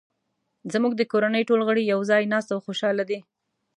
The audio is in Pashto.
زموږ د کورنۍ ټول غړي یو ځای ناست او خوشحاله دي